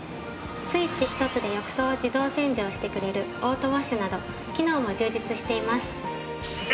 スイッチひとつで浴槽を自動洗浄してくれるオートウォッシュなど機能も充実しています。